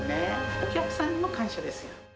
お客さんにも感謝です。